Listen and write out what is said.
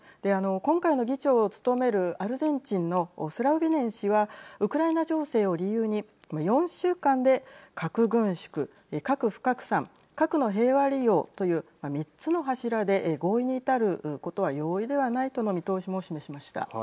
今回の議長を務めるアルゼンチンのスラウビネン氏はウクライナ情勢を理由に４週間で核軍縮、核不拡散核の平和利用という３つの柱で合意に至ることは容易ではないとの見通しも示しました。